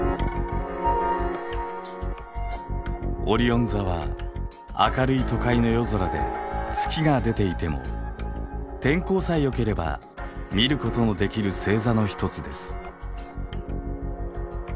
オリオン座は明るい都会の夜空で月が出ていても天候さえよければ見ることのできる星座の一つです。